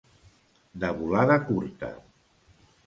De volada curta.